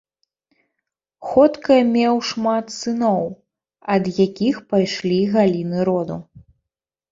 Ходка меў шмат сыноў, ад якіх пайшлі галіны роду.